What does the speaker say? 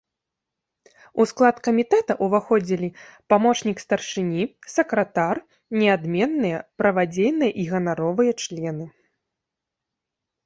У склад камітэта ўваходзілі памочнік старшыні, сакратар, неадменныя, правадзейныя і ганаровыя члены.